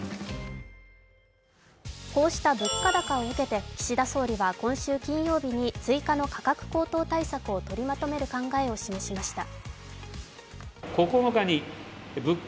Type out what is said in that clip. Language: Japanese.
こうした物価高を受けて岸田総理は今週金曜日に追加の価格高騰対策を取りまとめる考えを示しました。